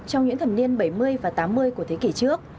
trong những thập niên bảy mươi và tám mươi của thế kỷ trước